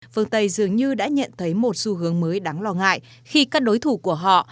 phương tây dường như đã nhận thấy một xu hướng mới đáng lo ngại khi các đối thủ của họ